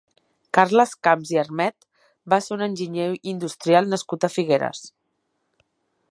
Carles Camps i Armet va ser un enginyer industrial nascut a Figueres.